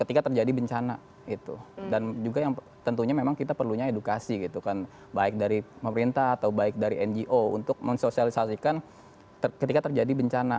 ketika terjadi bencana gitu dan juga yang tentunya memang kita perlunya edukasi gitu kan baik dari pemerintah atau baik dari ngo untuk mensosialisasikan ketika terjadi bencana